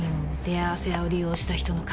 出会わせ屋を利用した人の